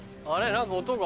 何か音が。